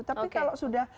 tapi kalau sudah